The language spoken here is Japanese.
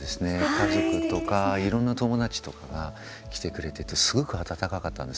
家族とかいろんな友達とかが来てくれててすごく温かかったんです。